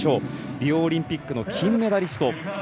リオオリンピックの金メダリスト。